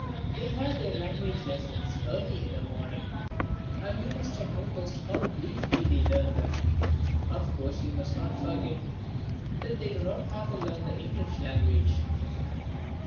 They have their language lessons early in the morning and you must have noticed how gleefully they learn them. Of course we must not forget that they do not have to learn the English language!